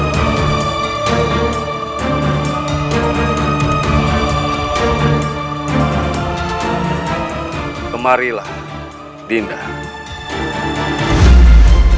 dari peristiwa penting